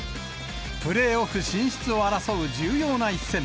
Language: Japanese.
プレーオフ進出を争う重要な一戦。